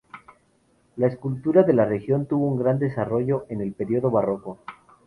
La escultura de la región tuvo un gran desarrollo en el periodo barroco.